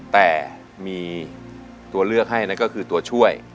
แต่มีตัวเลือกให้นั่นก็คือตัวช่วย